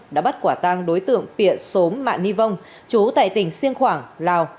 đã bắt quả tăng đối tượng piện xốm mạ ni vông chú tại tỉnh siêng khoảng lào